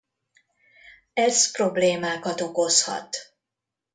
Ez problémákat okozhat.